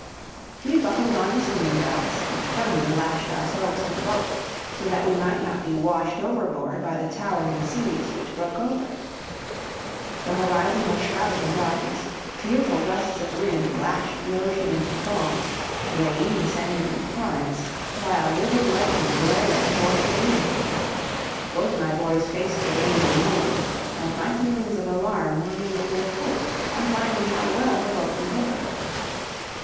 We buckled on the swimming belts and firmly lashed ourselves to the boat, so that we might not be washed overboard by the towering seas which broke over it. The horizon was shrouded in darkness, fearful gusts of wind lashed the ocean into foam, rain descended in torrents, while livid lightning glared athwart the gloom. Both my boys faced the danger nobly; and my feelings of alarm were mingled with hope on finding how well the boat behaved.